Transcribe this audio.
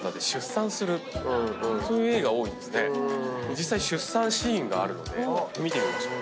実際出産シーンがあるので見てみましょう。